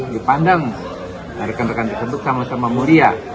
dipandang rekan rekan tersebut sama sama mulia